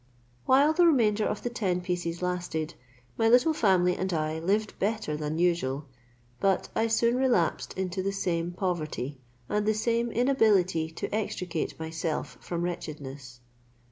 While the remainder of the ten pieces lasted, my little family and I lived better than usual; but I soon relapsed into the same poverty, and the same inability to extricate myself from wretchedness.